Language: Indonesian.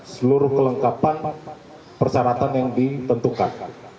seluruh kelengkapan persyaratan yang ditentukan